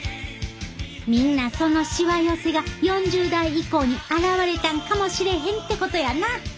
みんなそのしわ寄せが４０代以降に現れたんかもしれへんってことやな。